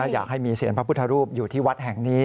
อยากให้มีเสียงพระพุทธรูปอยู่ที่วัดแห่งนี้